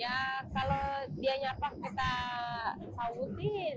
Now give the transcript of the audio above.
ya kalau dia nyapak kita sautin